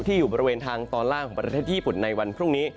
อยู่บริเวณทางตอนล่างของประเทศญี่ปุ่นในวันพรุ่งนี้